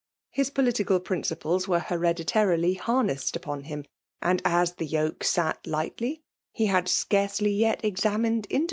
His political principles were here^ ditarily harnessed upon him ; and as the yokd sat lightly, he had scarcely yet examined* into infMCALG DOMINATION.